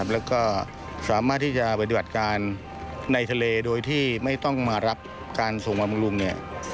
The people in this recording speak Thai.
แล้วก็สามารถที่จะปฏิบัติการในทะเลโดยที่ไม่ต้องมารับการส่งมาบำรุงเนี่ย